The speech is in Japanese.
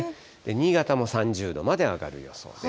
新潟も３０度まで上がる予想です。